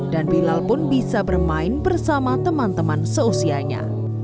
dan bilal pun bisa bermain bersama teman teman seusianya